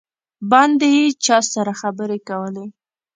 باندې یې چا سره خبرې کولې.